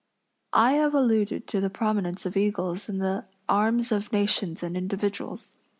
I have alluded to the prominence of eagles in the arms of nations and individuals.